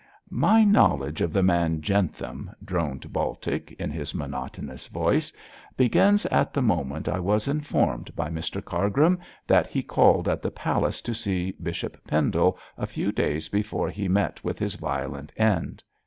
'My knowledge of the man Jentham,' droned Baltic, in his monotonous voice, 'begins at the moment I was informed by Mr Cargrim that he called at the palace to see Bishop Pendle a few days before he met with his violent end.